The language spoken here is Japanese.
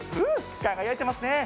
輝いてますね。